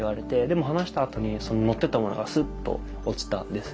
でも話したあとにそののってたものがスッと落ちたんです。